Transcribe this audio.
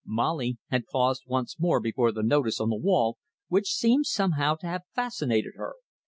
Molly had paused once more before the notice on the wall, which seemed somehow to have fascinated her.